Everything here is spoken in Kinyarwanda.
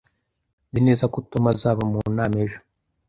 Nzi neza ko Tom azaba mu nama ejo